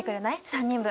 ３人分。